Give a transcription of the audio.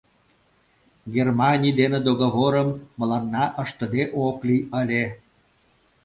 — Германий дене договорым мыланна ыштыде ок лий ыле.